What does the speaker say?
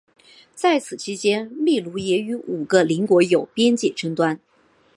在此期间秘鲁也与五个邻国有边界争端。